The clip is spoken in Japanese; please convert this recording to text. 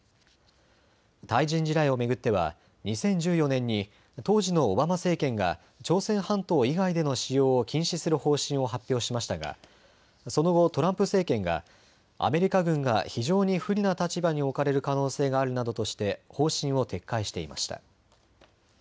対人地雷を巡っては２０１４年に当時のオバマ政権が朝鮮半島以外での使用を禁止する方針を発表しましたがその後、トランプ政権がアメリカ軍が非常に不利な立場に置かれる可能性があるなどとして方針を撤回していました。